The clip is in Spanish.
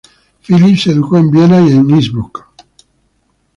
Philipp se educó en Viena y en Innsbruck.